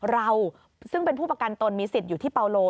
เราซึ่งเป็นผู้ประกันตนมีสิทธิ์อยู่ที่เปาโล